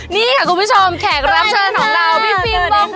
นี่ค่ะคุณผู้ชมแขกรับเชิญของเราพี่ฟิล์มค่ะ